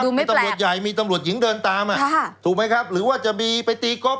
ดูไม่แปลกมีตำรวจหญิงเดินตามถูกไหมครับหรือว่าจะมีไปตีก๊อฟ